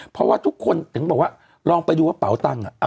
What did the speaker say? เพราะว่าทุกคนถึงบอกว่าลองไปดูว่าเป๋าตังค์